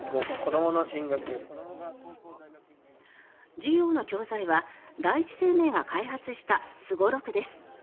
授業の教材は第一生命が開発したすごろくです。